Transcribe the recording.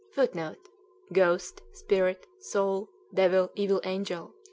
[Footnote: Ghost, spirit, soul, devil, evil angel.